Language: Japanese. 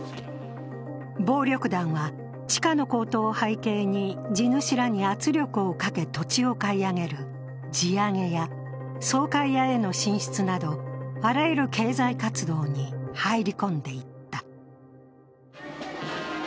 暴力団は、地価の高騰を背景に地主らに圧力をかけ、土地を買い上げる地上げや総会屋への進出などあらゆる経済活動に入り込んでいった。